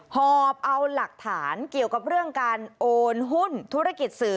หอบเอาหลักฐานเกี่ยวกับเรื่องการโอนหุ้นธุรกิจสื่อ